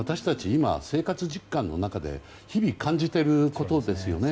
今、生活実感の中で日々感じていることですよね。